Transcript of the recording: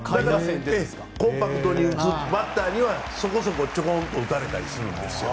コンパクトに打つバッターにはそこそこちょこんと打たれたりするんですよ。